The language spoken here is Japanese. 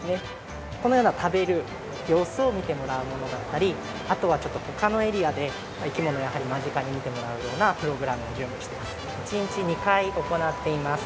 このような食べる様子を見てもらうものだったりあとは他のエリアで生き物をやはり間近に見てもらうようなプログラムを準備しています。